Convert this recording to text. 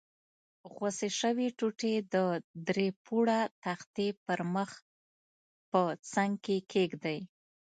غوڅې شوې ټوټې د درې پوړه تختې پر مخ په څنګ کې کېږدئ.